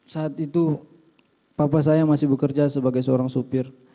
saat itu papa saya masih bekerja sebagai seorang supir